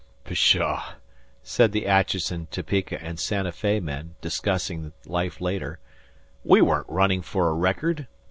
"Pshaw!" said the Atchinson, Topeka, and Santa Fe men, discussing life later, "we weren't runnin' for a record.